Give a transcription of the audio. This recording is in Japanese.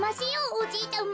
おじいちゃま。